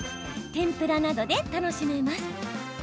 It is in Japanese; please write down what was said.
天ぷらなどで楽しめます。